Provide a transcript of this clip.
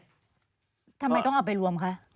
ทำไมต้องเอาไปรวมคะ